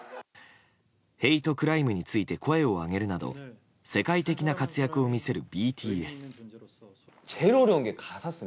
ヘイトクライムについて声を上げるなど世界的な活躍を見せるＢＴＳ。